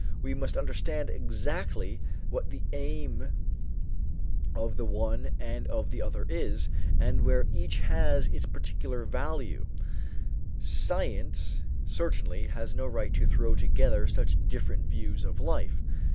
We must understand exactly what the aim of the one and of the other is, and where each has its particular value; science certainly has no right to throw together such different views of life.